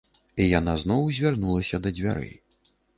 І яна зноў завярнулася да дзвярэй.